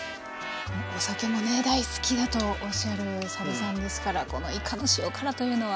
お酒もね大好きだとおっしゃる佐渡さんですからこのいかの塩辛というのは。